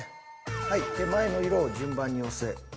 はい「手前の色を順番に押せ！」。